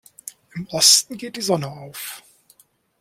Im Osten geht die Sonne auf.